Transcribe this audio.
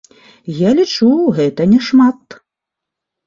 Я лічу, гэта няшмат.